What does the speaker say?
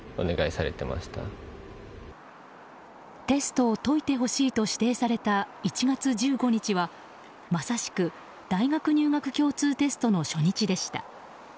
テストを解いてほしいと指定された１月１５日はまさしく大学入学共通テストの初日でした。